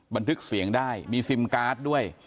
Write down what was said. บันทึกเสียงได้มีซิมการ์ดด้วย